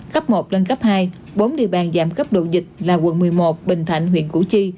cấp một lên cấp hai bốn địa bàn giảm cấp độ dịch là quận một mươi một bình thạnh huyện củ chi